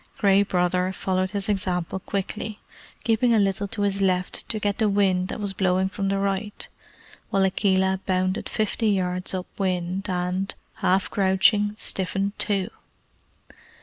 Gray Brother followed his example quickly, keeping a little to his left to get the wind that was blowing from the right, while Akela bounded fifty yards up wind, and, half crouching, stiffened too.